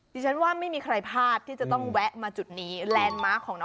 เดี๋ยวเราขึ้นลำแก้บน